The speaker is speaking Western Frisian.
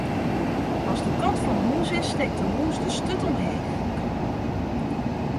As de kat fan hûs is, stekt de mûs de sturt omheech.